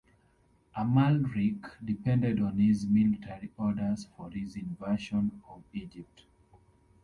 Amalric depended on his Military Orders for his invasion of Egypt.